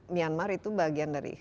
myanmar itu bagian dari